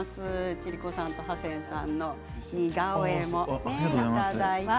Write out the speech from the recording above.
千里子さんとハセンさんの似顔絵も。